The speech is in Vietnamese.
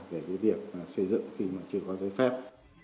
về việc xây dựng khi mà chưa có giới phép